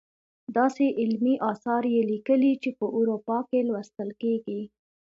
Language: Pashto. داسې علمي اثار یې لیکلي چې په اروپا کې لوستل کیږي.